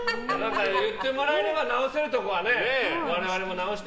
言ってもらえれば直せるところはね